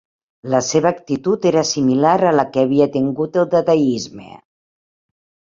La seva actitud era similar a la que havia tingut el dadaisme.